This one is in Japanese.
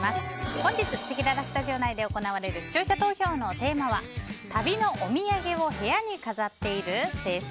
本日せきららスタジオ内で行われる視聴者投票のテーマは旅のお土産を部屋に飾っている？です。